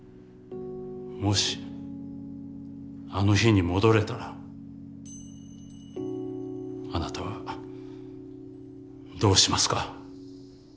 もしあの日に戻れたらあなたはどうしますか？